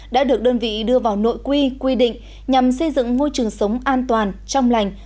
đã được đơn vị đưa vào nội quy quy định nhằm xây dựng môi trường sống an toàn trong lành